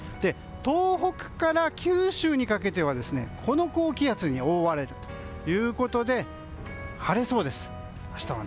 東北から九州にかけてはこの高気圧に覆われるということで明日は晴れそうです。